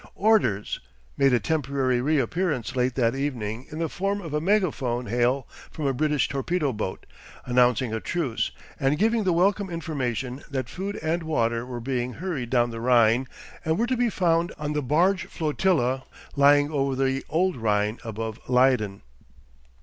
'"Orders" made a temporary reappearance late that evening in the form of a megaphone hail from a British torpedo boat, announcing a truce, and giving the welcome information that food and water were being hurried down the Rhine and were to be found on the barge flotilla lying over the old Rhine above Leiden.